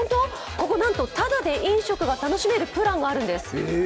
ここなんと、ただで飲食を楽しめるプランがあるんです。